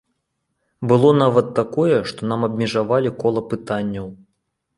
Было нават такое, што нам абмежавалі кола пытанняў.